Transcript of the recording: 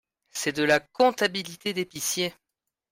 C’est de la comptabilité d’épicier